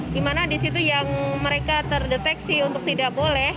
di mana di situ yang mereka terdeteksi untuk tidak boleh